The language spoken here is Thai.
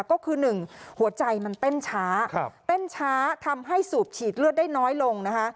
ก็คือหนึ่งหัวใจมันเต้นช้าเต้นช้าทำให้สูบฉีดเลือดได้น้อยลงนะคะ